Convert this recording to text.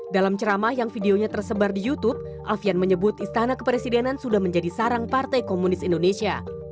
dalam ceramah yang videonya tersebar di youtube alfian menyebut istana kepresidenan sudah menjadi sarang partai komunis indonesia